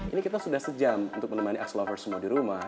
ini kita sudah sejam untuk menemani ex lover semua di rumah